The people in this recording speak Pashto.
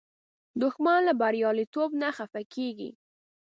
دښمن له بریالیتوب نه خفه کېږي